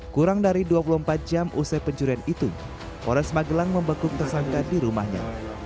kurang dari dua puluh empat jam usai pencurian itu polres magelang membekuk tersangka di rumahnya